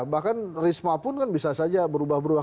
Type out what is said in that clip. bahkan risma pun kan bisa saja berubah berubah